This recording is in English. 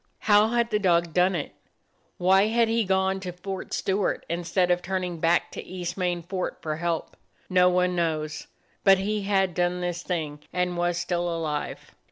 How had the dog done it? Why had he gone to Fort Stewart instead of turning back to East Main Fort for help? No one knows, but he had done this thing and was still alive.